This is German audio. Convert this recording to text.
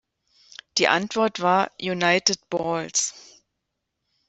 Die Antwort war „United Balls“.